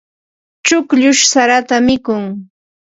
Chukllush sarata mikun.